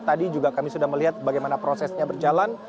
tadi juga kami sudah melihat bagaimana prosesnya berjalan